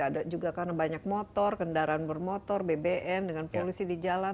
ada juga karena banyak motor kendaraan bermotor bbm dengan polusi di jalan